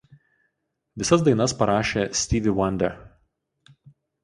Visas dainas parašė Stevie Wonder.